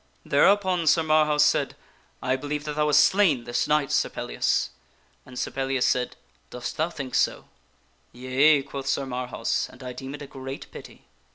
Thereupon Sir Marhaus said, " I believe that thou hast slain this knight, Sir Pellias," and Sir Pellias said, " Dost thou think so?" "Yea," quoth Sir Marhaus, "and I deem it a great pity."